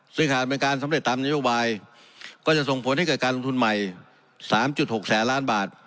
ซึ่งหากเป็นการสำเร็จตามนโยบายก็จะส่งผลให้เกิดการลงทุนใหม่๓๖แสนล้านบาท